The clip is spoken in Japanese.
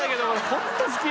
ホント好き。